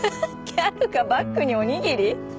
ギャルがバッグにおにぎり？